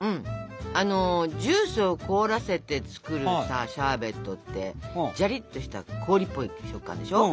あのジュースを凍らせて作るさシャーベットってジャリッとした氷っぽい食感でしょ？